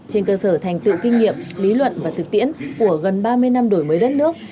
trên cơ sở thành tựu kinh nghiệm lý luận và thực tiễn của gần ba mươi năm đổi mới đất nước